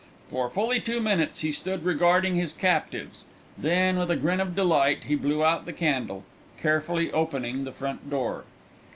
For fully two minutes he stood regarding his captives; then, with a grin of delight, he blew out the candle, carefully opening the front door.